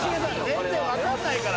全然わかんないから。